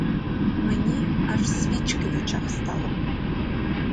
Мені аж свічки в очах стали.